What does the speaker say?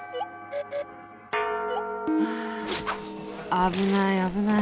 はあ危ない危ない。